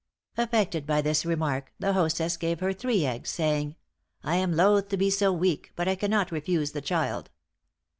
Affected by this remark, the hostess gave her three eggs, saying, 'I am loth to be so weak, but I cannot refuse the child.'